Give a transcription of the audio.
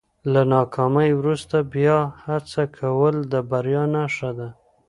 له ناکامۍ وروسته بیا هڅه کول د بریا نښه ده.